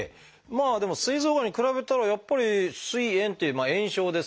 まあでもすい臓がんに比べたらやっぱり「すい炎」っていう炎症ですからね。